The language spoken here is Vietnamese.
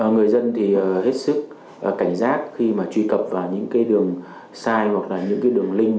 người dân thì hết sức cảnh giác khi mà truy cập vào những cái đường sai hoặc là những cái đường link